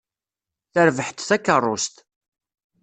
Terbeḥ-d takeṛṛust.